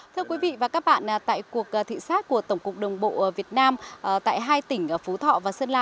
thưa quý vị và các bạn tại cuộc thị xác của tổng cục đồng bộ việt nam tại hai tỉnh phú thọ và sơn la